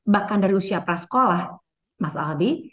bahkan dari usia prasekolah mas albi